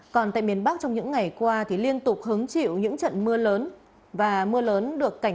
còn tại miền bắc trong những ngày qua thì liên tục hứng chịu những trận mưa lớn